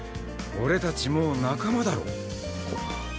俺たちもう仲間だろ。